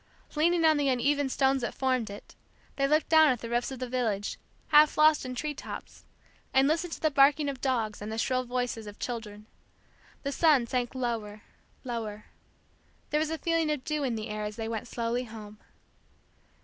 Leaning on the uneven stones that formed it, they looked down at the roofs of the village, half lost in tree tops; and listened to the barking of dogs, and the shrill voices of children. The sun sank lower, lower. There was a feeling of dew in the air as they went slowly home.